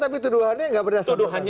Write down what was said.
tapi tuduhannya nggak berdasarkan